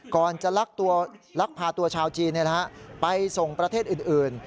ก่อนจะลักพาตัวชาวจีนไปส่งประเทศอื่น